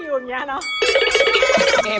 อยู่อย่างนี้เนอะ